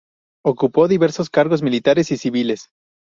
Ocupó diversos cargos militares y civiles.